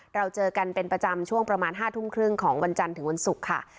เราเจอกันเป็นประจำช่วงประมาณ๕ทุ่มครึ่งของวันจันทร์ถึงวันศุกร์ค่ะ